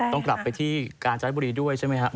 ต้องกลับไปที่กาญจนบุรีด้วยใช่ไหมครับ